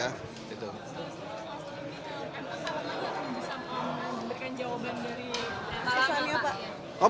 bagaimana kalau mbak mbak bisa memberikan jawaban dari